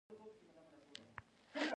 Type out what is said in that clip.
زمونږ مزل د مزار په لور و.